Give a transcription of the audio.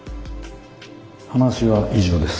話は以上です。